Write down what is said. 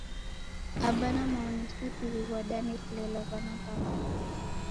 Aba na mao ni suti w'iw'adane kulela w'ana w'aw'o.